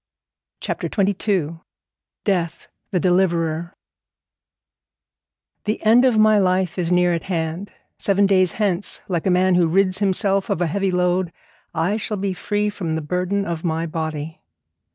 CHAPTER XXII DEATH, THE DELIVERER 'The end of my life is near at hand; seven days hence, like a man who rids himself of a heavy load, I shall be free from the burden of my body.'